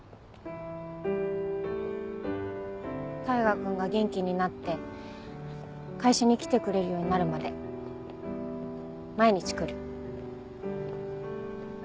大牙君が元気になって会社に来てくれるようになるまで毎日来る。